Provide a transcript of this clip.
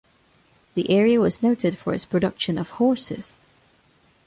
The area was noted for its production of horses.